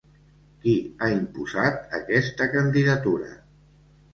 Qui ha imposat aquesta candidatura?